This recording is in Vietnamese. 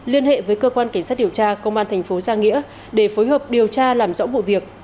liên hệ với cơ quan cảnh sát điều tra công an thành phố giang nghĩa để phối hợp điều tra làm rõ vụ việc